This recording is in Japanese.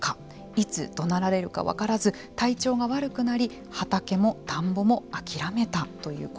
いつどなられるか分からず体調が悪くなり畑も田んぼも諦めたという声。